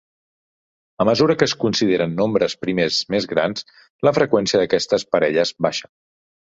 A mesura que es consideren nombres primers més grans, la freqüència d'aquestes parelles baixa.